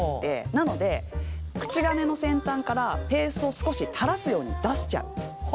なので口金の先端からペーストを少し垂らすように出しちゃう。